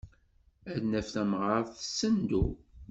Ad naf tamɣart tessendu.